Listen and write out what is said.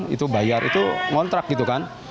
itu bayar itu ngontrak gitu kan